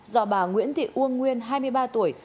do bà nguyễn thị uông nguyên hai mươi ba tuổi